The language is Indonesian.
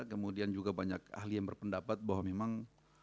kemudian juga banyak ahli yang berpendapat bahwa memang